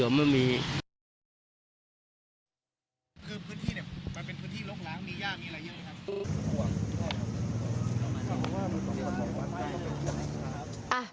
แต่ด้วยความที่เป็นจุดรกร้างย่าก็ขึ้นรกไปหมดเลย